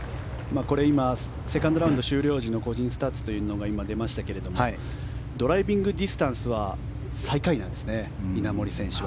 これ、今セカンドラウンド終了時の個人スタッツというのが今、出ましたがドライビングディスタンスは最下位なんですね、稲森選手は。